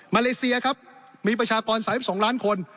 มาเลเซียมีประฉากร๓๒ล้านคน